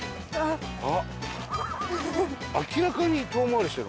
明らかに遠回りしてる。